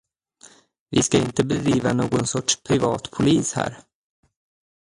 Vi ska inte bedriva någon sorts privat polis här.